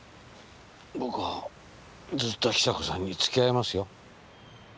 僕はずっと比佐子さんに付き合いますよ。